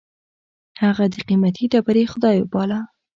هغه د قېمتي ډبرې خدای باله.